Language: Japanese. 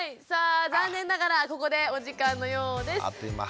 さあ残念ながらここでお時間のようです。